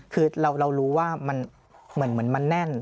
คือเรารู้ว่ามันเหมือนมันแน่น